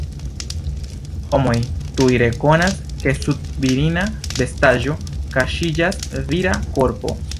Homoj tuj rekonas, ke sub virina vestaĵo kaŝiĝas vira korpo.